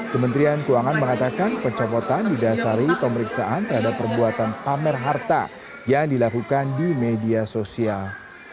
kementerian keuangan mengatakan pencopotan didasari pemeriksaan terhadap perbuatan pamer harta yang dilakukan di media sosial